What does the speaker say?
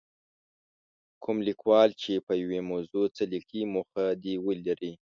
کوم لیکوال چې په یوې موضوع څه لیکي موخه دې ولري.